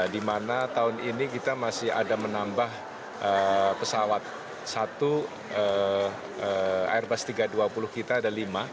di mana tahun ini kita masih ada menambah pesawat satu airbus tiga ratus dua puluh kita ada lima